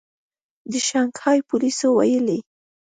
د شانګهای پولیسو ویلي